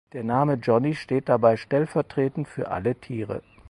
Der Name Johnny steht dabei stellvertretend für alle Tiere.